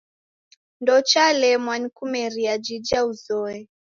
Ndeochalemwa ni kumeria jija uzoye.